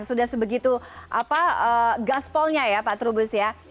sudah sebegitu gaspolnya ya pak trubus ya